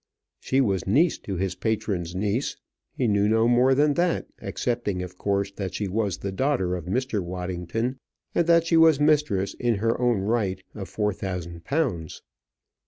She was niece to his patron's niece; he knew no more than that, excepting, of course, that she was the daughter of Mr. Waddington, and that she was mistress in her own right of four thousand pounds.